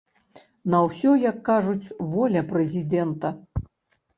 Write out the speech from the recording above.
На ўсё, як кажуць, воля прэзідэнта!